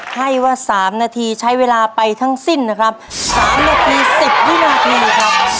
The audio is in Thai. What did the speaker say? ให้ว่า๓นาทีใช้เวลาไปทั้งสิ้นนะครับ๓นาที๑๐วินาทีครับ